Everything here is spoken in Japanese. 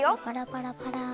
パラパラパラ。